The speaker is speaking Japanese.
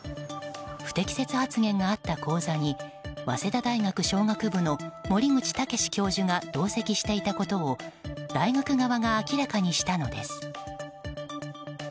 不適切発言があった講座に早稲田大学商学部の守口剛教授が同席していたことを大学側が明らかにしたのです。